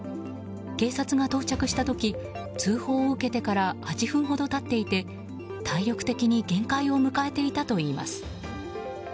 警察が到着した時通報を受けてから８分ほど経っていて、体力的に限界を迎えていたといいます。